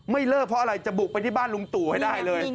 ไม่เลิกเพราะอะไรจะบุกไปที่บ้านลุงตู่ให้ได้เลย